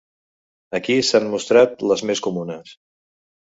Aquí s'han mostrat les més comunes.